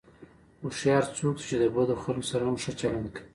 هوښیار څوک دی چې د بدو خلکو سره هم ښه چلند کوي.